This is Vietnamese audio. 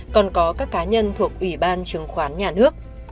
cá nhân thuộc ủy ban trường khoán nhà nước